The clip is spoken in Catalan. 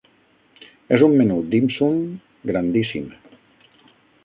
És un menú "dim sum" grandíssim.